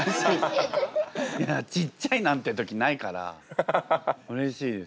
いやちっちゃいなんて時ないからうれしいです。